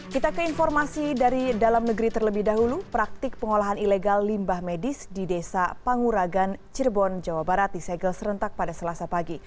kita ke informasi dari dalam negeri terlebih dahulu praktik pengolahan ilegal limbah medis di desa panguragan cirebon jawa barat disegel serentak pada selasa pagi